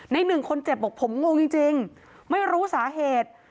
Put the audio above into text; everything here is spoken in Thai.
หนึ่งคนเจ็บบอกผมงงจริงไม่รู้สาเหตุ